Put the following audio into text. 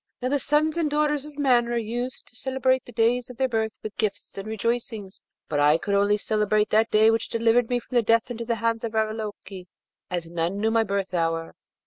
Now, the sons and daughters of men are used to celebrate the days of their birth with gifts and rejoicings, but I could only celebrate that day which delivered me from death into the hands of Ravaloke, as none knew my birth hour.